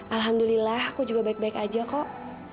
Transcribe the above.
alhamdulillah aku juga baik baik aja kok